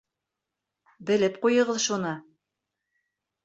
Белеп ҡуйығыҙ шуны!